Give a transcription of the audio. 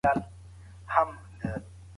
موږ به په صنعتي سکتور کي وده وکړو.